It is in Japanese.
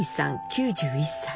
９１歳。